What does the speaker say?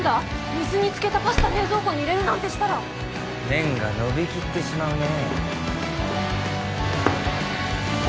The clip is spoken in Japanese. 水につけたパスタ冷蔵庫に入れるなんてしたら麺がのびきってしまうね